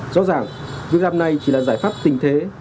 rõ ràng việc làm này chỉ là giải pháp tình thế